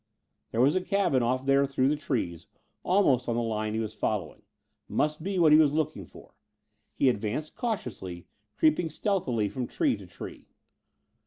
There was a cabin off there through the trees, almost on the line he was following. Must be what he was looking for. He advanced cautiously, creeping stealthily from tree to tree.